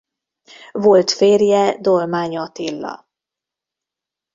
Volt férje Dolmány Attila.